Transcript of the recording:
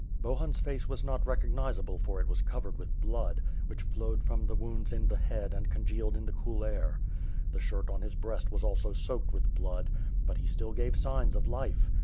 Bohun's face was not recognizable for it was covered with blood, which flowed from the wounds in the head and congealed in the cool air; the shirt on his breast was also soaked with blood, but he still gave signs of life.